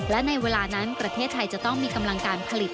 และในเวลานั้นประเทศไทยจะต้องมีกำลังการผลิต